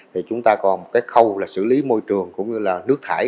thì chúng ta còn cái khâu là xử lý môi trường cũng như là nước thải